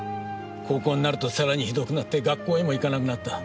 高校になるとさらにひどくなって学校へも行かなくなった。